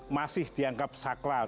masih dianggap sakral